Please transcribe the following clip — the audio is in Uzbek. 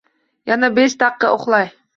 Yana besh daqiqa uxlay